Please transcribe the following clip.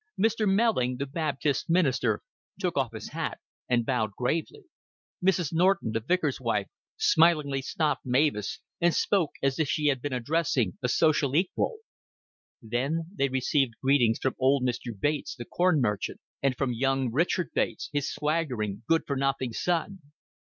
Mr. Melling, the Baptist minister, took off his hat and bowed gravely; Mrs. Norton, the vicar's wife, smilingly stopped Mavis and spoke as if she had been addressing a social equal; then they received greetings from old Mr. Bates, the corn merchant, and from young Richard Bates, his swaggering good for nothing son.